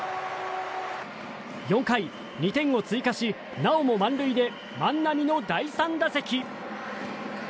４回、２点を追加しなおも満塁で万波の第３打席。